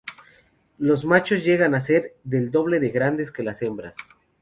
Los machos llegan a ser más del doble de grandes que las hembras.